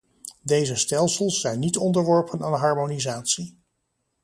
Deze stelsels zijn niet onderworpen aan harmonisatie.